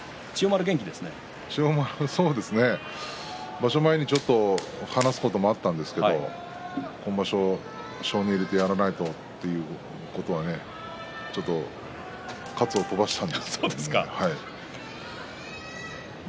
そうですね場所前に、ちょっと話すこともあったんですけど今場所、性根を入れてやらないとということはねちょっと活を飛ばしたんですけど。